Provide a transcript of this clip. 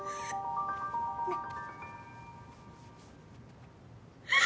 ねっ。